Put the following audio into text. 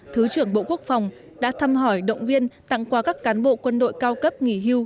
thứ trưởng bộ quốc phòng đã thăm hỏi động viên tặng quà các cán bộ quân đội cao cấp nghỉ hưu